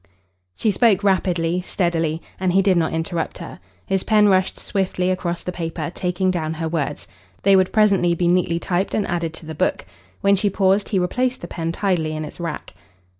She spoke rapidly, steadily, and he did not interrupt her. His pen rushed swiftly across the paper, taking down her words. They would presently be neatly typed and added to the book. When she paused, he replaced the pen tidily in its rack.